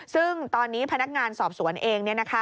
ซึ่งตอนนี้พนักงานสอบสวนเอง